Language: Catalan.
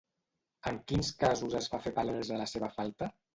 En quins casos es va fer palesa la seva falta?